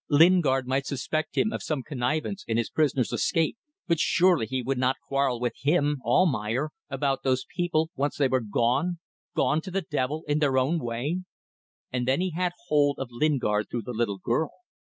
Lingard might suspect him of some connivance in his prisoner's escape but surely he would not quarrel with him Almayer about those people once they were gone gone to the devil in their own way. And then he had hold of Lingard through the little girl.